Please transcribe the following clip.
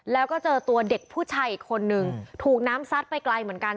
แล้วก็เจอตัวเด็กผู้ชายอีกคนนึงถูกน้ำซัดไปไกลเหมือนกัน